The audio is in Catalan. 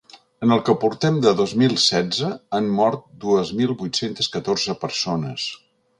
En el que portem de dos mil setze han mort dues mil vuit-centes catorze persones.